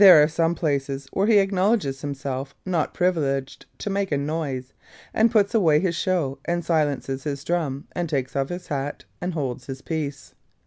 There are some places where he acknowledges himself not privileged to make a noise, and puts away his show, and silences his drum, and takes off his hat, and holds his peace.